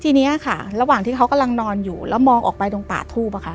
ทีนี้ค่ะระหว่างที่เขากำลังนอนอยู่แล้วมองออกไปตรงป่าทูปอะค่ะ